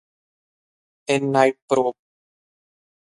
In Night Probe!